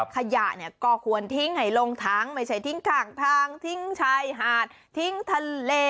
ขยะเนี่ยก็ควรทิ้งให้ลงทางไม่ใช่ทิ้งข้างทางทิ้งชายหาดทิ้งทะเล